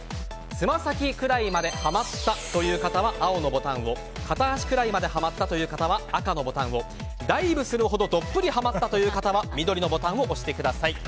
つま先までハマったという方は青のボタンを片足くらいまでハマったという方は赤のボタンをダイブするほどどっぷりハマったという方は緑のボタンを押してください。